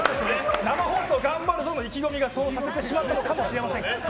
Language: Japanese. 生放送頑張るぞの意気込みがそうさせてしまったのかもしれません。